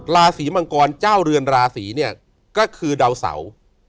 ราศีมังกรเจ้าเรือนราศีเนี่ยก็คือดาวเสา